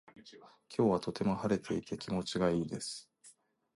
今日はとても晴れていて気持ちがいいです。